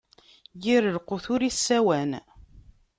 Yir lqut ur issawan.